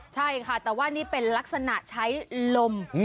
ใช่ค่ะแต่ว่านี่เป็นลักษณะใช้ลม